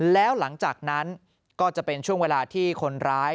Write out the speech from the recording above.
แล้วหลังจากนั้นก็จะเป็นช่วงเวลาที่คนร้าย